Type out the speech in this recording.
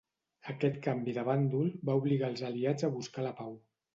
Aquest canvi de bàndol va obligar els aliats a buscar la pau.